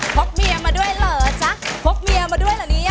กเมียมาด้วยเหรอจ๊ะพกเมียมาด้วยเหรอเนี่ย